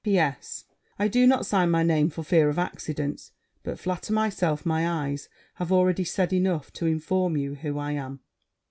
P.S. I do not sign my name for fear of accidents; but flatter myself my eyes have already said enough to inform you who I am.'